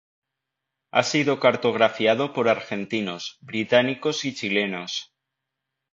Ha sido cartografiado por argentinos, británicos y chilenos.